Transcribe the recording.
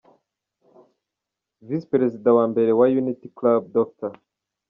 Visi Perezida wa mbere wa Unity Club, Dr.